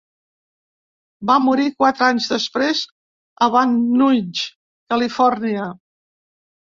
Va morir quatre anys després a Van Nuys, Califòrnia.